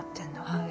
はい。